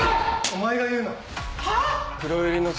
お前が言うな。